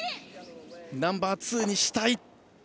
ナンバーツーにしたい。